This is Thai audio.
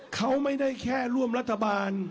เขาไม่ได้แค่ร่วมรัฐบาล